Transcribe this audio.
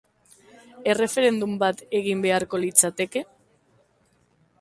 Erreferendum bat egin beharko litzateke?